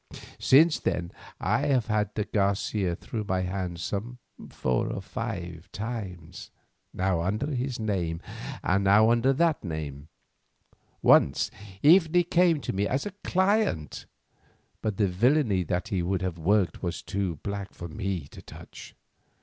Since then, I have had de Garcia through my hands some four or five times, now under this name and now under that. Once even he came to me as a client, but the villainy that he would have worked was too black for me to touch.